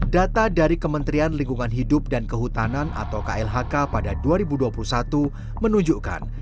data dari kementerian lingkungan hidup dan kehutanan atau klhk pada dua ribu dua puluh satu menunjukkan